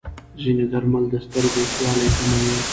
ځینې درمل د سترګو وچوالی کموي.